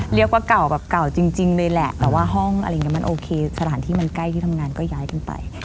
เรียกว่าเก่าแบบเก่าจริงเลยแหละแต่ว่าห้องอะไรอย่างนี้มันโอเคสถานที่มันใกล้ที่ทำงานก็ย้ายกันไป